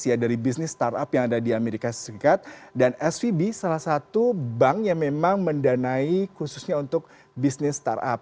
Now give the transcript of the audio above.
karena ini adalah bisnis startup yang ada di amerika serikat dan svb salah satu bank yang memang mendanai khususnya untuk bisnis startup